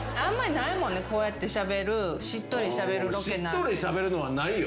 しっとりしゃべるのはないよ。